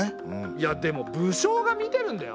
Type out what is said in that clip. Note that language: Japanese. いやでも武将が見てるんだよ。